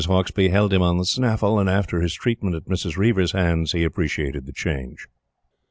Hauksbee held him on the snaffle; and after his treatment at Mrs. Reiver's hands, he appreciated the change.